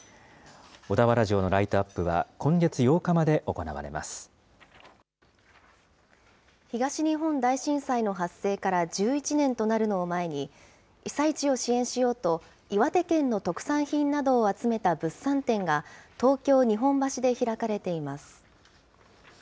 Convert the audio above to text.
小田原城のライトアップは、今月東日本大震災の発生から１１年となるのを前に、被災地を支援しようと、岩手県の特産品などを集めた物産展が、東京・日本橋で開かれています。